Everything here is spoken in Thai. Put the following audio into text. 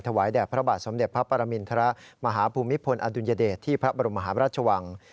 แด่พระบาทสมเด็จพระปรมินทรมาฮภูมิพลอดุลยเดชที่พระบรมหาพระราชวัง